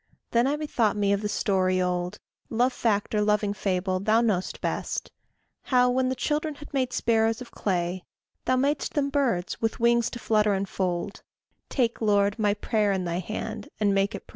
Then I bethought me of the story old Love fact or loving fable, thou know'st best How, when the children had made sparrows of clay, Thou mad'st them birds, with wings to flutter and fold: Take, Lord, my prayer in thy hand, and make it pray.